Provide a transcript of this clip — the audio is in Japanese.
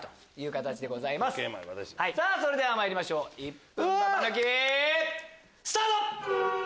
それではまいりましょう１分ババ抜きスタート！